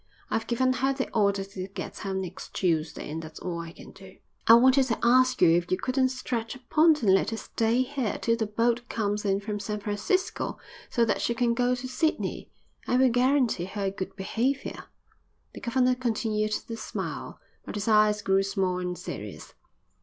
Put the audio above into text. "I've given her the order to get out next Tuesday and that's all I can do." "I wanted to ask you if you couldn't stretch a point and let her stay here till the boat comes in from San Francisco so that she can go to Sydney. I will guarantee her good behaviour." The governor continued to smile, but his eyes grew small and serious.